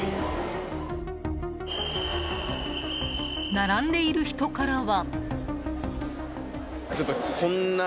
並んでいる人からは。